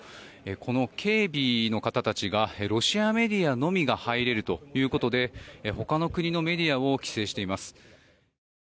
この警備の方たちがロシアメディアのみが入れるということで他の国のメディアを規制しています。